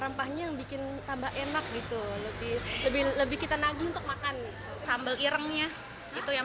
rempahnya yang bikin tambah enak gitu lebih lebih kita nagu untuk makan sambal irengnya itu yang